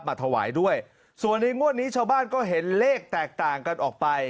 มาถวายด้วยส่วนในงวดนี้ชาวบ้านก็เห็นเลขแตกต่างกันออกไป